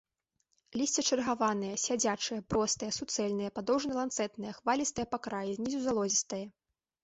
Лісце чаргаванае, сядзячае, простае, суцэльнае, падоўжана-ланцэтнае, хвалістае па краі, знізу залозістае.